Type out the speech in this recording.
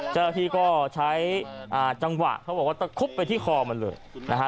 เจ้าหน้าที่ก็ใช้จังหวะเขาบอกว่าตะคุบไปที่คอมันเลยนะฮะ